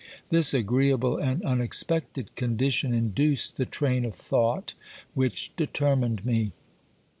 This agreeable and unexpected condition induced the train of thought which determined me.